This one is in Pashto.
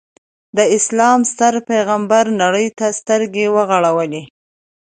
د اسلام ستر پیغمبر نړۍ ته سترګې وغړولې.